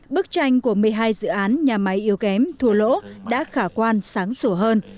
bức tranh của một mươi hai dự án nhà máy yếu kém thua lỗ đã khả quan sáng sủa hơn